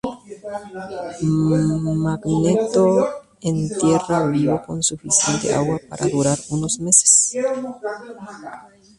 Magneto lo entierra vivo con suficiente agua para durar unos meses.